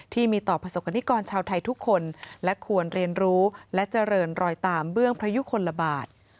ที่มีต่อประสบกรณิกรชาวไทยทุกคนและควรเรียนรู้และเจริญรอยตามเบื้องพระยุคลบาท